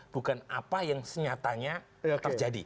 bukan apa yang senyatanya terjadi